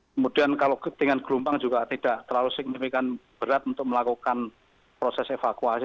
kemudian kalau ketinggian gelombang juga tidak terlalu signifikan berat untuk melakukan proses evakuasi